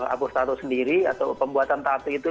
apostato sendiri atau pembuatan tatu itu